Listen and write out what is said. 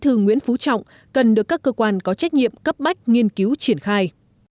thư nguyễn phú trọng cần được các cơ quan có trách nhiệm cấp bách nghiên cứu triển khai